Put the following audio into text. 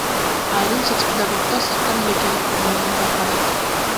Айрым соцпедагогдор сырттан эле келип калгандыгын байкадык.